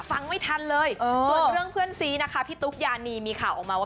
ฟังไม่ทันเลยส่วนเรื่องเพื่อนซีนะคะพี่ตุ๊กยานีมีข่าวออกมาว่า